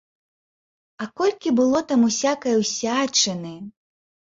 А колькі было там усякае ўсячыны!